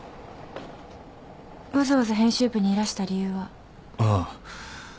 わざわざ編集部にいらした理由は？ああ。